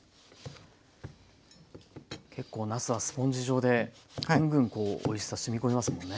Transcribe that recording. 結構なすはスポンジ状でグングンおいしさ染み込みますもんね。